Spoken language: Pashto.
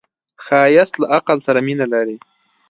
ښایست له عقل سره مینه لري